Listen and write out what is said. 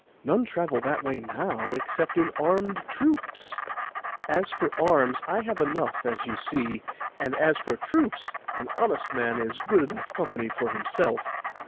None travel that way now, except in armed troops.' 'As for arms, I have enough, as you see. And as for troops, an honest man is good enough company for himself.